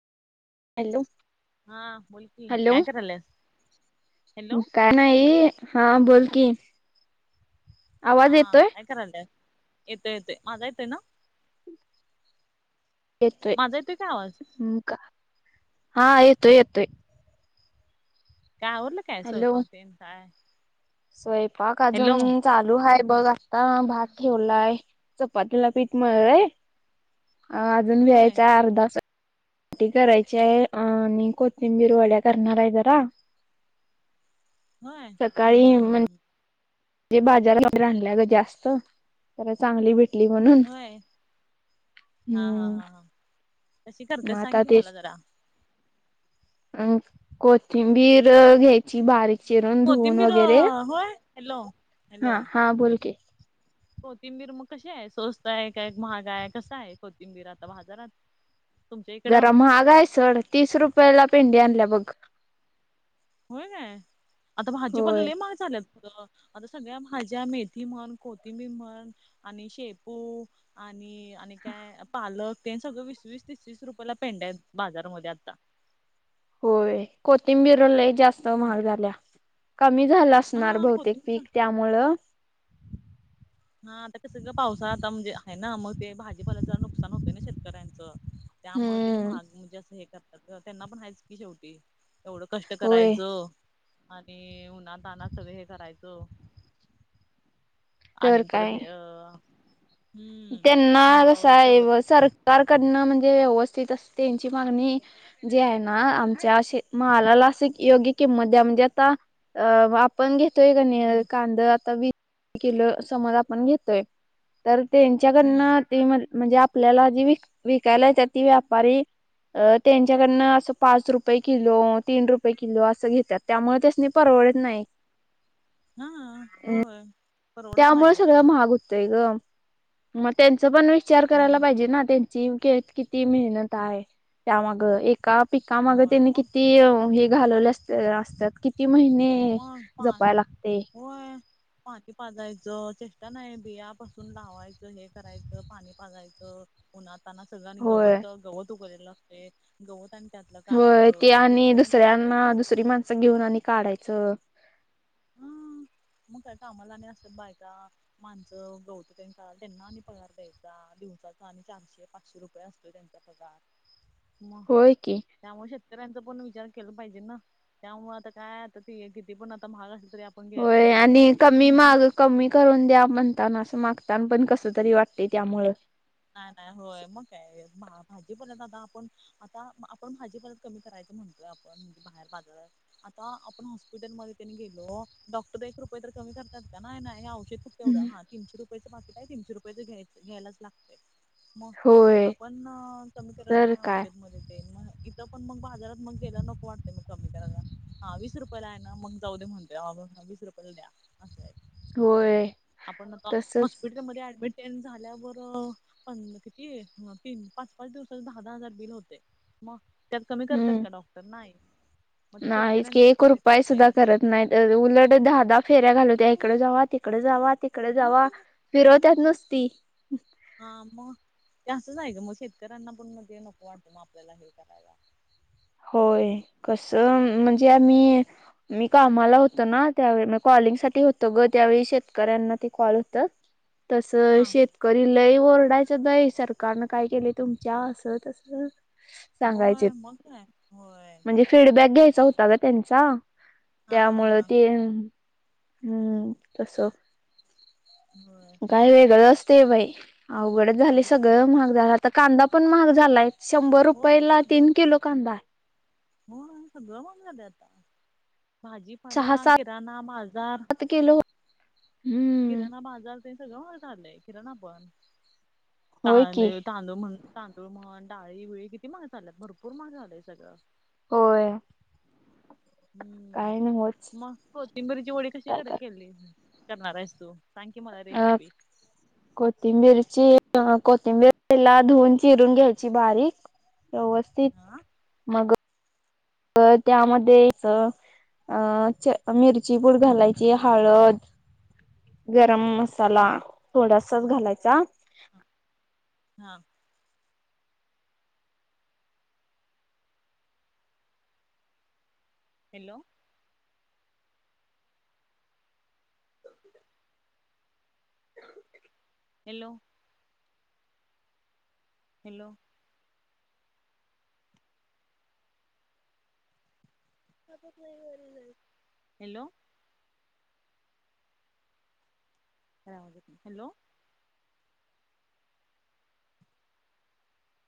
Hello हा बोलकी hello काय करायल्यास? हॅलो. काय नाही, हा बोल की? आवाज हा, येतोय काय करायल्यास? येतोय येतोय माझा येतोय ना? येतोय, माझा काय आवाज हम का? हा येतोय येतोय. काय आवडलं काय हॅलो स्वयंपाकतेन काय? स्वयंपाक का हॅलो अजून चालू ह बघ आता भात ठेवलाय चपातीला पीठ मळलय ह अजून होय व्हायचंय अर्धा आमटी करायची आहे आणि कोथिंबीरवाड्या करणार आहे जरा हाय हम्म सकाळी हम्म. म्हणजे बाजार आणलाय जास्त जरा चांगली भेट म्हणून होय हा हा हम्म हा हा कशी करतेस मग सांग की ते मला जरा अ कोथिंबीर घ्यायची बारीक चिरून धुवन कोथिंबीर वगैरे अं, होय हॅलो हॅलो हा हा बोलके कोथिंबीर मग कशी आहे सोजताय का एक महागा आहे कस आहे कोथिंबीर आता बाजारात तुमच्या इकडं जरा महागा आहे स तीस रुपयाला पेंडी आणल्या बघ होय काय आता भाजीपला होय ले माग झालेतं आता सगळ्या भाज्या मेथी म्हण कोथिंबीर म्हण आणि शेपू आणि आणि काय पालक ते सगळं वीस वस तीस वस रुपयाला पेंड आहेत बाजारमध्ये आता होय कोथिंबीरला जास्त महाग झाल्या कमी झाला असणार हा बहतेक कोथिंबीर पीक त्यामुळं हा आता कसं सगळं पावसा आता म्हणजे आहे ना मग ते भाजीपाल्याचं नुकसान होतं ना शेतकऱ्यांचं त्यामुळे त्याने हम्म महाग म्हणजे असं हे करतात त्यांना पण आहेयच की शेवटी एवढं कष्ट होय करायचं आणि उन्हातना सगळं हे करायचं तर आणि नि परत काय अ हम्म त्यांना क म्हणल्यावर तेवढं साहेब सरकारकडनं म्हणजे व्यवस्थित असं त्यांची मागणी जे आहे ना आमच्याे मलाला असे योग्य किंमत द्या म्हणजे आता अ आपण घेतोय का नि हम्म कांदा आता वीस किलो समज आपण घेतोय तर त्यांच्याकडन हम्म. त म्हणजे आपल्याला जी व विकायलाच ती व्यापारी अ त्यांच्याकडनं असं पाच रुपये किलो तीन रुपये किलो असं घेतात त्यामुळे त्यास नाही परवडत नाही. हा होय परवडत नाही त्यामुळे ग ते. सगळं महाग होतंय ग मग त्यांचा पण विचार करायला हम्म पाहिजे ना त्यां किती मेहनत आहे त्यामागे एका पिकामाग होय, त्यांनी मग किती हे घालवले असं असतात किती महिने मग पाच जपाय लागते होय पाणी पाजायचं चेष्टा नाही बियापसून लावायचं हे करायचं पाणी पाजायचं उन्हाताना सगळ्यांनी होय गवत गवत उगलेलं असंतय गवत आणि त्यातलं होय काढायचं शेतकऱ्यांचं काही असं घेऊन आणि काढायचं हां. मग काय का आम्हाला आणि असतात बायका- माणसं गवत त्यां काल त्यांना आणि पगार द्यायचा दिवचाचा आणि चारशे पाचशे रुपये असं तो त्यांचा पगार मग होय की त्यामुळे शेतकऱ्यांचा पण विचार केला पाहिजे ना त्यामुळे आता काय आता त किती पण आता महाग असलं तरी आपण घ्या होय घ्यायलाच आणि पाहिजे. कमी माग कमी करून द्या म्हणताना असं मागताना पण कसं तरी वाटते त्यामुळे नाही नाही होय मग काय भाजी बोलत आता आपण आता आपण भाजी परत कमी करायच म्हणतोय आपण म्हणजे बाहेर बाजारात आता आपण हॉस्पिटल ते खूप तेवढं हा तीनशे रुपयेचं पाकीट आहे, तीनशे रुपयेचं घ्यायलाच लागतय. मग होय आपण कमी करत तर नाही काय औषध मध्ये मग इथं पण मग बाजारात मग गेल्यावर नको वाटते मग कमी करायला. हा वीस रुपयाला आहे, ना मग जाऊ दे म्हणतोय वीस रुपयाला द्या असं आहे. होय आपण तसच हॉस्पिटलमध्ये ऍडमिट बिल झाल्यावर किती तीन पाच पाच दिवसाचे दहा दहा हजार बिल होतय. मग त्यात कमी करतात हम्म का डॉक्टर नाही मग ते नाहीच की शेतकऱ्यांचं एक कसं वाईट रुपय वाटतंय सुद्धा ना ते करत नाहीत उलट दहा दहा फेऱ्या घालवत्या इकडे हं, जावा तकडे जावा तिकडे जावा हं, मग फिरवत्यात नुसती हा मग ते असंच आहे का मग शेतकऱ्यांना पण मग ते नको वाटतं मग आपल्याला हे करायला होय कसं म्हणजे आम्ही मी कामाला होतो ना त्यावे म कॉलिंग साठी होतो ग त्यावेळी शेतकऱ्यांना ते कॉल होतं तसं हा शेत कररी लई ओरडायचं दय सरकारनं काय केले तुमच्या असं तसं सांगायचे होय मग काय होय ग. म्हणजे अच्छा हा हा हा ह्म तसं होय काय मग वेगळ असते बाई अवघडच झाले होय पण सगळं महाग झालं. आता कांदा पण महाग झालाय शंभर रुपये होय ला तीन किलो कांदा आहे. हो सगळं महाग झालं आता भाजीपाला सहा सात किराणा बाजार किलो हम्म किराणा बाजार ते सगळं हो झालंय किरणा पण होय की तांदूळ तांदूळ म्हण तांदूळ म्हण डाळी बिळी किती महाग झाल्यात भरपूर महाग झालंय सगळं होय हम्म काय नव्हच मग कोथिंबरीची वडी कशी काय कर केली करणार आहेस तू सांग की मला रेसिपी कोथिंबीरची कोथिंबीर ला धुवून चिरून घ्यायची बारीक व्यवस्थित हा मग तर त्यामध्ये अ मिरची पूड हा घालायची. हळद, गरम मसाला हा थोडासाच घालायचा. हां hello [unintelligible] hello hello hello hello